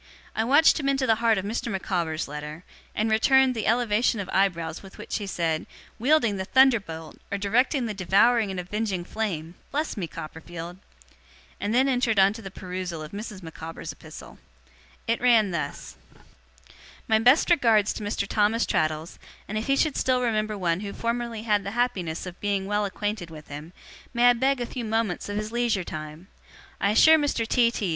I watched him into the heart of Mr. Micawber's letter, and returned the elevation of eyebrows with which he said "'Wielding the thunderbolt, or directing the devouring and avenging flame!" Bless me, Copperfield!' and then entered on the perusal of Mrs. Micawber's epistle. It ran thus: 'My best regards to Mr. Thomas Traddles, and if he should still remember one who formerly had the happiness of being well acquainted with him, may I beg a few moments of his leisure time? I assure Mr. T. T.